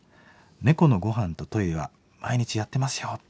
猫のごはんとトイレは毎日やってますよっ」。